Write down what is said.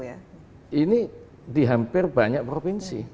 ini di hampir banyak provinsi